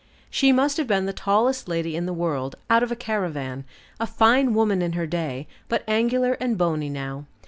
She must have been the tallest lady in the world out of a caravan. A fine woman in her day, but angular and bony now.